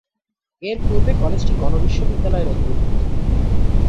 এর পূর্বে কলেজটি গণ বিশ্ববিদ্যালয়ের অধিভুক্ত ছিল।